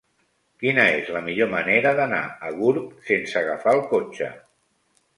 Quina és la millor manera d'anar a Gurb sense agafar el cotxe?